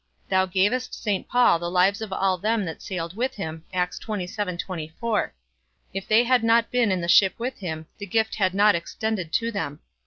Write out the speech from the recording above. Thou gavest St. Paul the lives of all them that sailed with him; if they had not been in the ship with him, the gift had not extended to them.